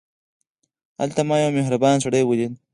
هلته ما یو مهربان سړی ولید.